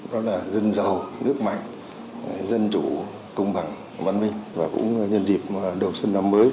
đó là dân giàu nước mạnh dân chủ công bằng văn minh và cũng nhân dịp đầu xuân năm mới